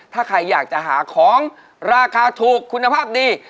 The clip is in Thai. ถ้าใครอยากจะหาของราคาถูกคุณภาพดี